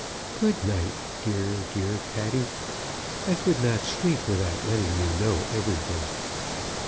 Good night, dear, dear Patty. I could not sleep without letting you know everything."